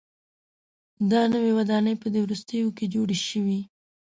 دا نوې ودانۍ په دې وروستیو کې جوړه شوې.